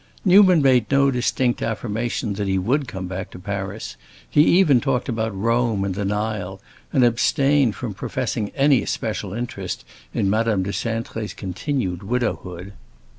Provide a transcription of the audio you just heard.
Newman made no distinct affirmation that he would come back to Paris; he even talked about Rome and the Nile, and abstained from professing any especial interest in Madame de Cintré's continued widowhood.